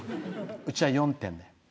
うちは４点。